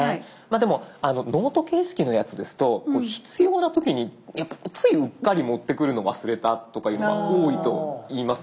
でもノート形式のやつですと必要な時にやっぱついうっかり持ってくるのを忘れたとかいうのは多いといいます。